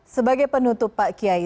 sebagai penutup pak kiai